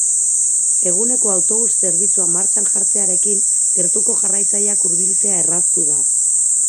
Eguneko autobus zerbitzua martxan jartzearekin gertuko jarraitzaileak hurbiltzea erraztu da.